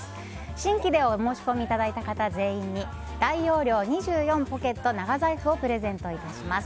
新規でお申し込みいただいた方全員に大容量２４ポケット長財布をプレゼントいたします。